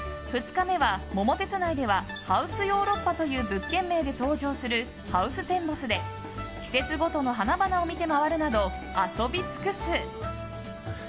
２日目は、「桃鉄」内ではハウスヨーロッパという物件名で登場するハウステンボスで季節ごとの花々を見て回るなど遊び尽くす！